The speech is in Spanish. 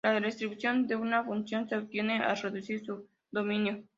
La restricción de una función se obtiene al reducir su dominio.